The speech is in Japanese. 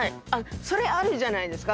それあるじゃないですか。